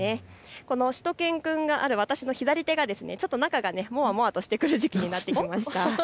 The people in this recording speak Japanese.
このしゅと犬くんがある私の左手が、中がもあもあとしてくる時期になりました。